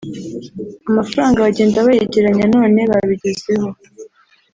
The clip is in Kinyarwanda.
amafaranga bagenda bayegeranya none babigezeho